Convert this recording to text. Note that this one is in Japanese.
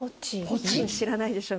知らないでしょ？